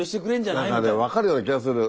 何かね分かるような気がする。